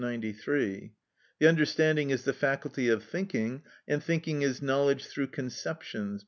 93); the understanding is the faculty of thinking, and thinking is knowledge through conceptions (p.